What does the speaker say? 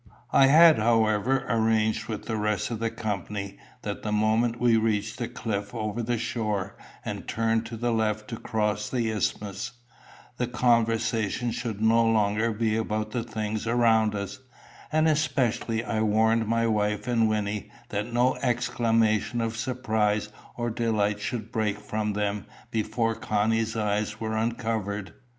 I had, however, arranged with the rest of the company, that the moment we reached the cliff over the shore, and turned to the left to cross the isthmus, the conversation should no longer be about the things around us; and especially I warned my wife and Wynnie that no exclamation of surprise or delight should break from them before Connie's eyes were uncovered.